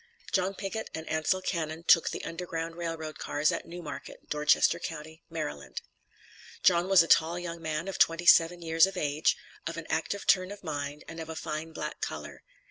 John Pinket and Ansal Cannon took the Underground Rail Road cars at New Market, Dorchester county, Maryland. John was a tall young man, of twenty seven years of age, of an active turn of mind and of a fine black color.